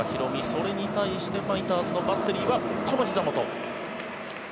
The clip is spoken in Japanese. それに対してファイターズのバッテリーはこのひざ元。